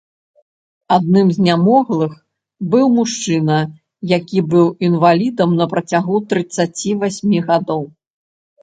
Аднім з нямоглых быў мужчына, які быў інвалідам на працягу трыццаці васьмі гадоў.